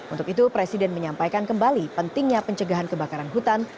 untuk itu presiden menyampaikan kembali pentingnya pencegahan kebakaran hutan